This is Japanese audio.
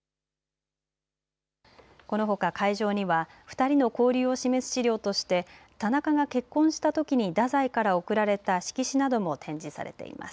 このほか会場には２人の交流を示す資料として田中が結婚したときに太宰から贈られた色紙なども展示されています。